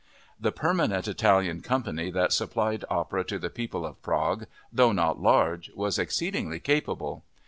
The permanent Italian company that supplied opera to the people of Prague, though not large, was exceedingly capable.